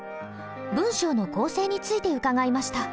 文章の構成について伺いました。